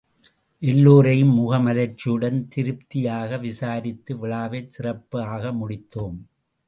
எல்லோரையும் முகமலர்ச்சியுடன் திருப்தியாகவிசாரித்து விழாவைச் சிறப்பாகமுடித்தோம்.